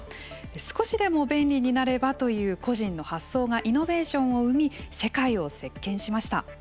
少しでも便利になればという個人の発想がイノベーションを生み世界を席けんしました。